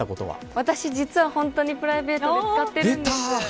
私、実は本当にプライベートで使ってるんです。